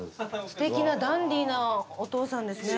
素敵なダンディーなお父さんですね。